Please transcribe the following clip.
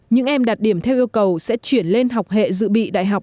những em đạt điểm theo yêu cầu sẽ chuyển lên học hệ dự bị đại học